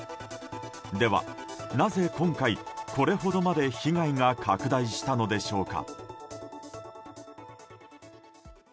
では、なぜ今回これほどまで被害が拡大したのでしょうか。